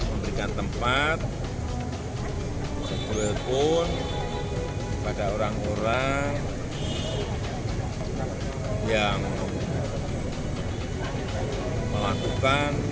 memberikan tempat pada orang orang yang melakukan